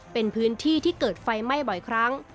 เป็นพื้นที่ที่เกิดไฟไหม้บ่อยครั้ง